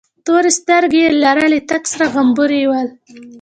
تورې سترگې يې لرلې، تک سره غمبوري یې ول.